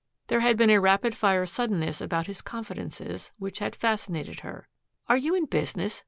There had been a rapid fire suddenness about his confidences which had fascinated her. "Are you in business?"